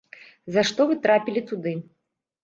За што вы трапілі туды?